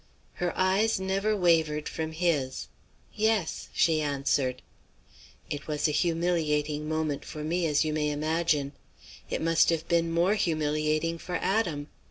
"Her eyes never wavered from his. "'Yes!' she answered. "It was a humiliating moment for me as you may imagine. It must have been more humiliating for Adam.